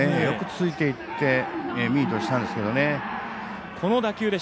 よくついていってミートしたんですけどね。